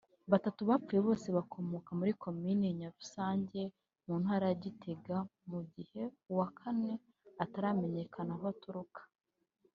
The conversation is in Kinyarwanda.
Batatu bapfuye bose bakomoka muri Komine Nyarusange mu Ntara ya Gitega mu gihe uwa Kane ataramenyakana aho aturuka